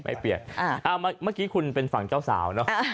เมื่อกี้คุณเป็นฝั่งเจ้าสาวเนาะ